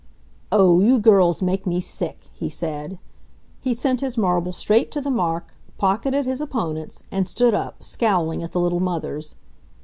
"Oh, you girls make me sick!" he said. He sent his marble straight to the mark, pocketed his opponent's, and stood up, scowling at the little mothers.